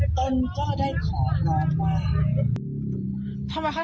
เอิ้นผมก้ได้ขอร้องไว้